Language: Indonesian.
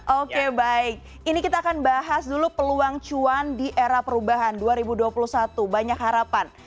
oke baik ini kita akan bahas dulu peluang cuan di era perubahan dua ribu dua puluh satu banyak harapan